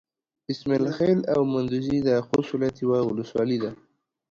اسماعيل خېل او مندوزي د خوست ولايت يوه ولسوالي ده.